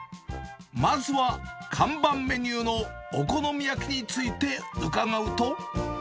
まずは看板メニューのお好み焼きについて伺うと。